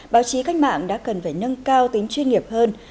báo chí cách mạng đã cần phải nâng cao tính chuyên nghiệp hơn